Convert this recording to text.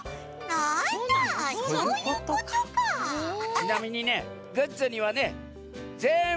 ちなみにねグッズにはねぜんぶ